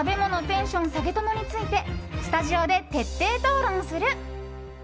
テンション下げ友についてスタジオで徹底討論する。